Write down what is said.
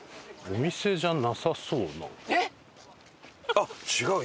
あっ違う！